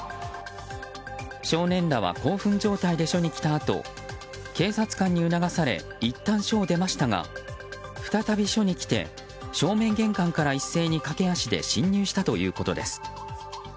少年らは興奮状態で署に来たあと警察官に促されいったん署を出ましたが再び署に来て正面玄関から一斉に駆け足で侵入したということです。